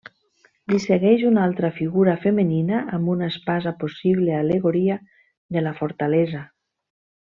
Li segueix una altra figura femenina amb una espasa, possible al·legoria de la Fortalesa.